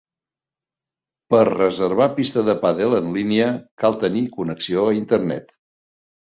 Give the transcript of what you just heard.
Per reservar pista de pàdel en línia, cal tenir connexió a internet.